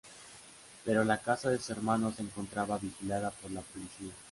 Pero, la casa de su hermano se encontraba vigilada por la policía.